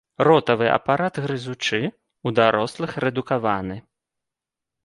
Ротавы апарат грызучы, у дарослых рэдукаваны.